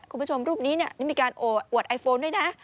คุณผู้ชมรูปนี้นี่มีการอวดไอโฟนด้วยนะ